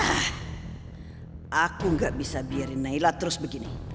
ah aku gak bisa biarin naila terus begini